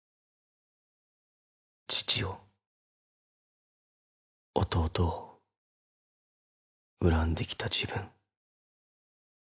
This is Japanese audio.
父を弟を恨んできた自分。